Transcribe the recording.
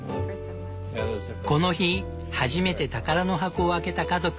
この日初めて宝の箱を開けた家族。